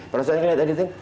pada saat editing